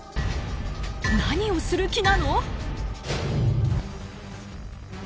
何をする気なの？